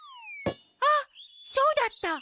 あっそうだった！